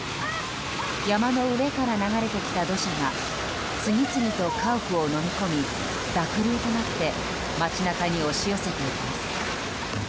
山の上から流れてきた土砂が次々と家屋をのみ込み濁流となって町中に押し寄せていきます。